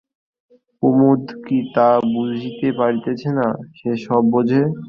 কুমুদ কি তা বুঝিতে পারিতেছে না, যে সব বোঝে?